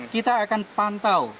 kita akan pantau